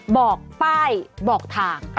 บอกป้ายบอกทาง